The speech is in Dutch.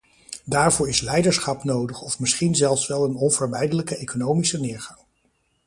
Daarvoor is leiderschap nodig of misschien zelfs wel een onvermijdelijke economische neergang.